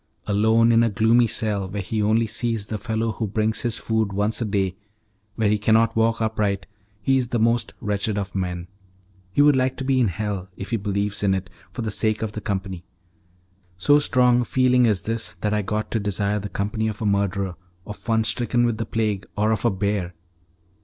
Alone in a gloomy cell where he only sees the fellow who brings his food once a day, where he cannot walk upright, he is the most wretched of men. He would like to be in hell, if he believes in it, for the sake of the company. So strong a feeling is this that I got to desire the company of a murderer, of one stricken with the plague, or of a bear.